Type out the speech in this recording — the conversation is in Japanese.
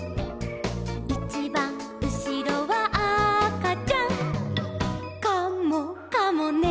「いちばんうしろはあかちゃん」「カモかもね」